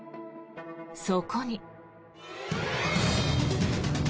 そこに。